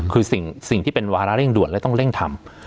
คือสิ่งที่เป็นวาระเร่งด่วนและต้องเร่งทำ